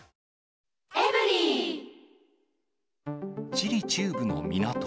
チリ中部の港。